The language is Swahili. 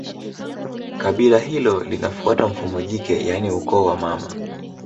Kabila hilo linafuata mfumo jike yaani ukoo wa mama